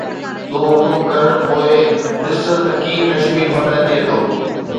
تون حڪم ڪر پوءِ ڏس ته ڪشمير ڪيئن فتح ٿئي ٿو